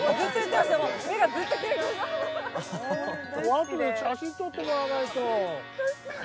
あとで写真撮ってもらわないと。